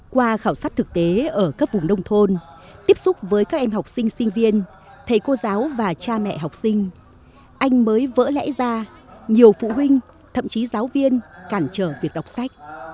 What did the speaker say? qua khảo sát thực tế ở các vùng nông thôn tiếp xúc với các em học sinh sinh viên thầy cô giáo và cha mẹ học sinh anh mới vỡ lẽ ra nhiều phụ huynh thậm chí giáo viên cản trở việc đọc sách